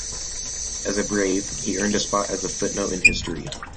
As a Brave, he earned a spot as a footnote in history.